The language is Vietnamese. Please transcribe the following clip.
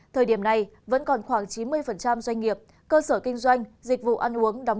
thời điểm này vẫn còn khoảng chín mươi doanh nghiệp cơ sở kinh doanh dịch vụ ăn uống đóng